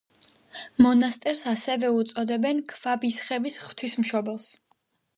მონასტერს ასევე უწოდებენ ქვაბისხევის „ღვთისმშობელს“.